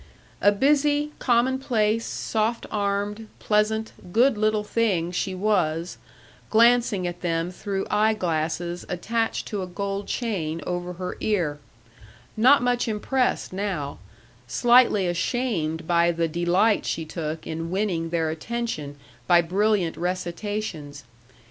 A busy, commonplace, soft armed, pleasant, good little thing she was; glancing at them through eye glasses attached to a gold chain over her ear, not much impressed now, slightly ashamed by the delight she took in winning their attention by brilliant recitations....